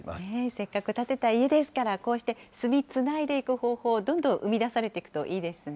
せっかく建てた家ですから、こうして住みつないでいく方法、どんどん生み出されていくといいですね。